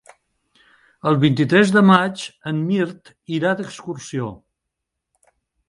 El vint-i-tres de maig en Mirt irà d'excursió.